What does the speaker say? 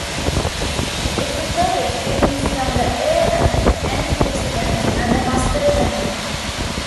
It included greetings from the A and M President and the Muster Poem.